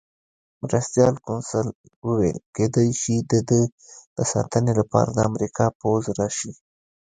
مرستیال کونسل وویل: کېدای شي د ده د ساتنې لپاره د امریکا پوځ راشي.